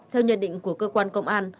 theo nhận định của cơ quan công an